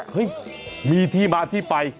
เฮ้ยมีที่มาที่ไป